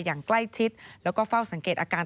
อย่างใกล้ชิดแล้วก็เฝ้าสังเกตอาการ